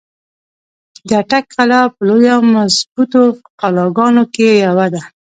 د اټک قلا په لويو او مضبوطو قلاګانو کښې يوه ده۔